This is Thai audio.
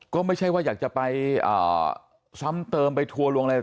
ก็ไม่ใช่ว่าอยากจะไปซ้ำเติมไปทัวร์ลวงอะไร